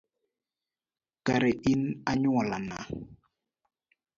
Kare in anyuolana?